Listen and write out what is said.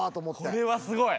これはすごい！